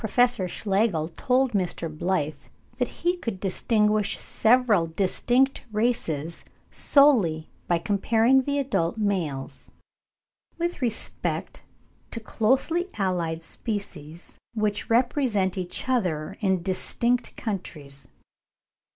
In regard to Tanysiptera, Prof. Schlegel told Mr. Blyth that he could distinguish several distinct races, solely by comparing the adult males.), with respect to closely allied species which represent each other in distinct countries.